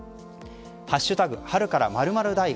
春から○○大」。